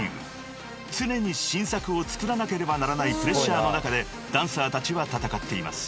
［常に新作をつくらなければならないプレッシャーの中でダンサーたちは戦っています］